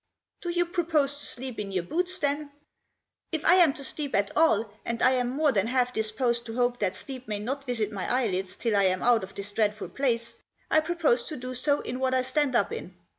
"" Do you propose to sleep in your boots then ?"" If I am to sleep at all, and I am more than half disposed to hope that sleep may not visit my eyelids till I am out of this dreadful place, I propose to do so in what I stand up in.